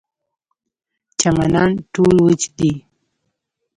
چمنان ټول وچ دي.